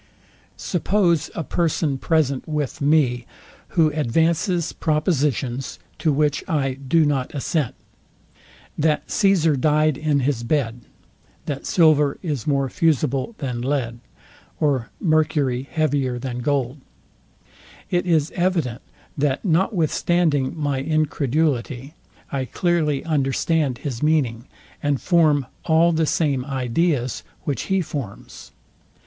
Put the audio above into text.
Suppose a person present with me, who advances propositions, to which I do not assent, that Caesar dyed in his bed, that silver is more fusible, than lead, or mercury heavier than gold; it is evident, that notwithstanding my incredulity, I clearly understand his meaning, and form all the same ideas, which he forms.